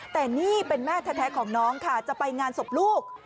แต่นี่เป็นแม่แท้ของน้องค่ะจะไปงานศพลูก